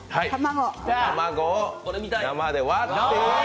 卵を生で割って。